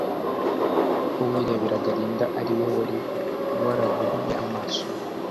Ko wireberaga Linda ariwe wari waraguhumye amaso